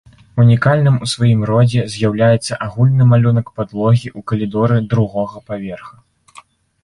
Унікальным у сваім родзе з'яўляецца агульны малюнак падлогі ў калідоры другога паверха.